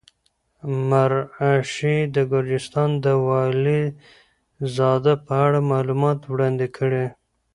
مرعشي د ګرجستان د والي زاده په اړه معلومات وړاندې کړي.